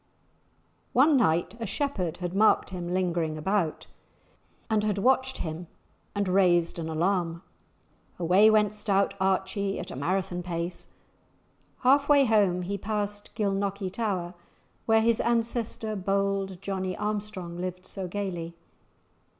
One night a shepherd had marked him lingering about, and had watched him, and raised an alarm. Away went stout Archie at a Marathon pace; half way home he passed Gilnockie tower, where his ancestor bold Johnie Armstrong lived so gaily.